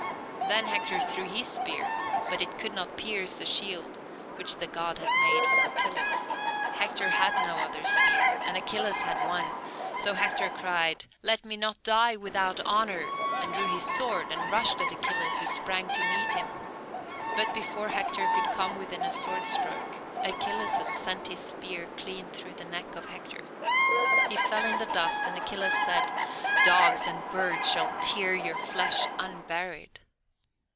Then Hector threw his spear, but it could not pierce the shield which the God had made for Achilles. Hector had no other spear, and Achilles had one, so Hector cried, "Let me not die without honour!" and drew his sword, and rushed at Achilles, who sprang to meet him, but before Hector could come within a sword stroke Achilles had sent his spear clean through the neck of Hector. He fell in the dust and Achilles said, "Dogs and birds shall tear your flesh unburied."